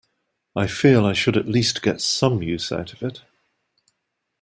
I feel I should at least get some use out of it.